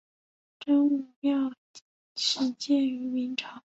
真武庙始建于明朝。